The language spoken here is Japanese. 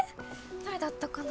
どれだったかな